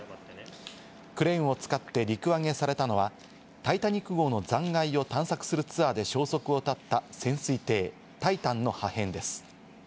クレーンを使って陸揚げされたのはタイタニック号の残骸を探索するツアーで消息を絶った潜水艇タイタンの破片です。